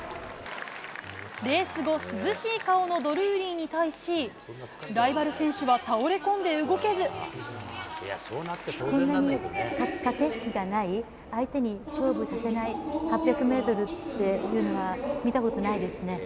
レース後、涼しい顔のドルーリーに対し、こんなに駆け引きがない、相手に勝負させない８００メートルっていうのは、見たことないですね。